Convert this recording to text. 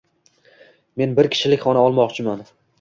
Men bir kishilik xona olmoqchiman.